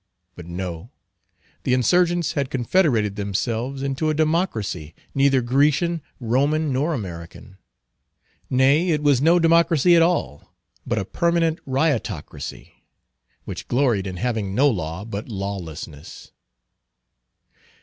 But no, the insurgents had confederated themselves into a democracy neither Grecian, Roman, nor American. Nay, it was no democracy at all, but a permanent Riotocracy, which gloried in having no law but lawlessness.